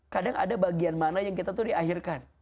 kadang ada bagian mana yang kita tuh diakhirkan